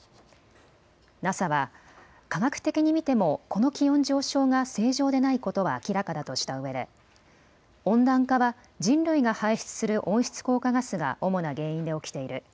ＮＡＳＡは科学的に見てもこの気温上昇が正常でないことは明らかだとしたうえで温暖化は人類が排出する温室効果ガスが主な原因で起きている。